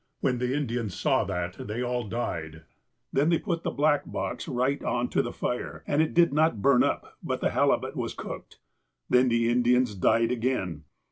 When the Indians saw that they all ' died.' 2 "Then they put the black box right on to the fire, and it did not burn up, but the halibut was cooked.^ Then the Indians ' died ' again.